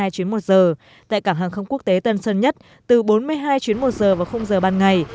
hai chuyến một giờ tại cảng hàng không quốc tế tân sơn nhất từ bốn mươi hai chuyến một giờ vào giờ ban ngày